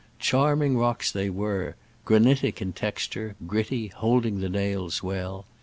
Charming rocks they were — granitic in texture, gritty, holding the nails well.